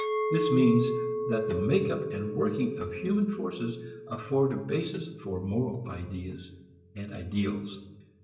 This means that the make up and working of human forces afford a basis for moral ideas and ideals.